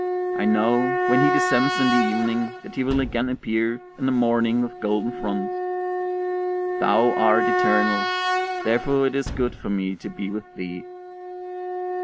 I know, when he descends in the evening, that he will again appear in the morning with golden front. Thou art eternal, therefore it is good for me to be with thee.